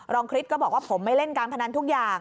คริสก็บอกว่าผมไม่เล่นการพนันทุกอย่าง